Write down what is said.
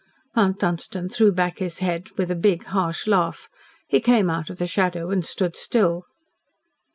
Mount Dunstan threw back his head with a big, harsh laugh. He came out of the shadow and stood still.